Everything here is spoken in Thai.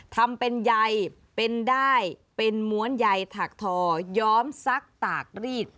ทำเป็นใยเป็นได้เป็นม้วนใยถักทอย้อมซักตากรีด